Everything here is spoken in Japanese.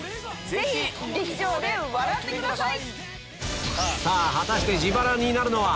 ぜひ劇場で笑ってください。